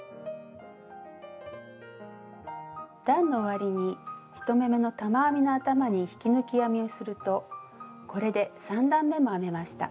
段の終わりに１目めの玉編みの頭に引き抜き編みをするとこれで３段めも編めました。